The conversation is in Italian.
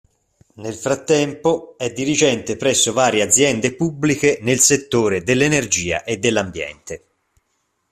Nel frattempo, è dirigente presso varie aziende pubbliche nel settore dell'energia e dell'ambiente.